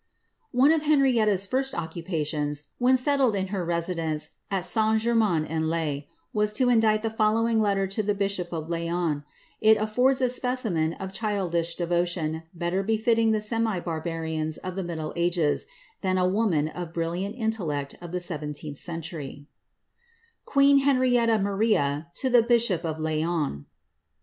One of Henrietta's first occupations, when settled in her resident St Germains en Laye, was to indite the following letter to the bisho Laon; it affords a specimen of childish devotion better befitting the a barbarians of the iniddle ages, than a woman of brilliant intellect of 17lh century :'— QuBBir Hbvbibtta Mabia to tbk Bisbop of Laost.